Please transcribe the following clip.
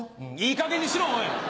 いいかげんにしろおい。